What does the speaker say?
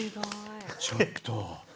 ちょっと。